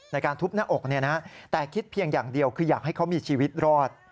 ในการทุบหน้าอกแต่คิดเพียงอย่างเดียวคืออยากให้เขามีชีวิตรอด